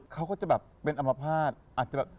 เขาก็จะแบบเป็นอมภาษณ์อาจจะแบบ